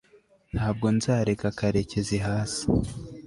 ntabwo nzareka karekezi hasi